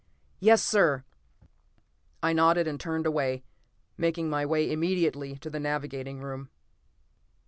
"Yes, sir!" I nodded, and turned away, making my way immediately to the navigating room.